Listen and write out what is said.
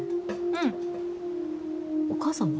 うんお母さんは？